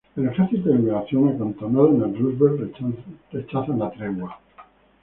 El "Ejercito de Liberación" acantonados en el Roosevelt rechazan la tregua.